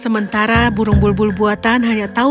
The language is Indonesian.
sementara burung bulbul buatan hanya menyanyikan apapun yang dia suka